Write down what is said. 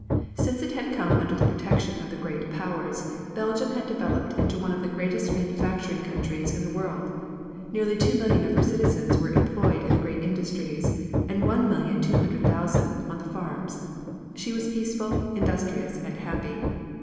Since it had come under the protection of the Great Powers, Belgium had developed into one of the greatest manufacturing countries in the world. Nearly two million of her citizens were employed in the great industries, and one million two hundred thousand on the farms. She was peaceful, industrious and happy.